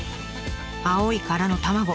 青い殻の卵。